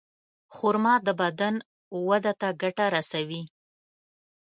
خرما د بدن وده ته ګټه رسوي.